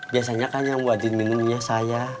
biasanya kan yang wajib minumnya saya